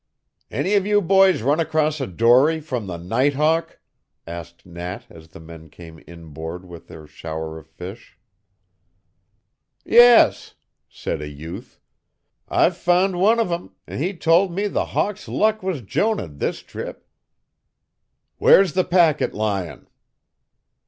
"Any of you boys run across a dory from the Night Hawk?" asked Nat as the men came inboard with their shower of fish. "Yes," said a youth, "I f'und one of 'em an' he told me the Hawk's luck was Jonahed this trip." "Where's the packet lyin'?"